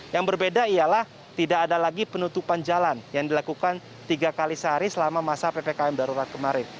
yang berbeda ialah tidak ada lagi penutupan jalan yang dilakukan tiga kali sehari selama masa ppkm darurat kemarin